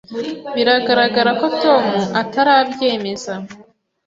Biragaragara ko Tom atarabyemeza.